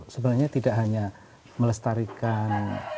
sebenarnya tidak hanya melestarikan